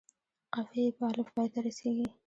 قافیه یې په الف پای ته رسيږي.